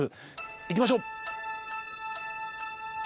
行きましょう。